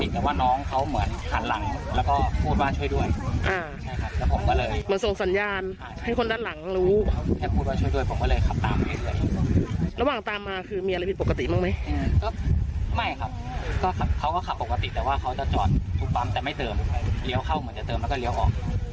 เรียวเข้าเหมือนจะเติมแล้วก็เรียวออกมา